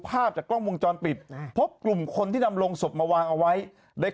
ภาพจากกล้องวงจรปิดพบกลุ่มคนที่นำลงศพมาวางเอาไว้ได้